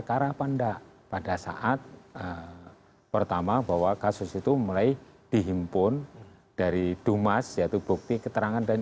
terima kasih pada saat pertama bahwa kasus itu mulai dihimpun dari dumas yaitu bukti keterangan dan